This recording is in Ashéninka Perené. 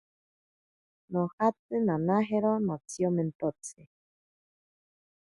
Nojatsi nanajero notsiomentotsi.